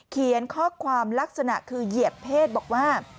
เขียนข้อความลักษณะคือเหยียดเพศบอกว่า